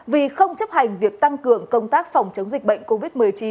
vì không chấp hành việc tăng cường công tác phòng chống dịch bệnh covid một mươi chín